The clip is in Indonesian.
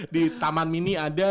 di taman mini ada